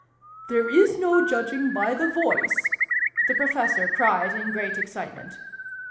" There is no judging by the voice !" the Professor cried in great excitement.